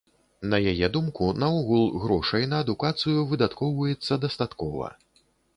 На яе думку, наогул грошай на адукацыю выдаткоўваецца дастаткова.